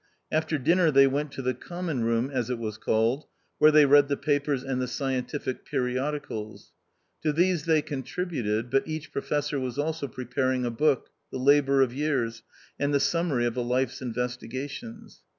After dinner they went to the Common room, as it was called, where they read the papers and the scientific per iodicals. To these they contributed, but each Professor was also preparing a book, the labour of years, and the summary of a life's investigations.